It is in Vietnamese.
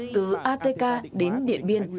từ atk đến điện biên